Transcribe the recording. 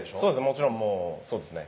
もちろんそうですね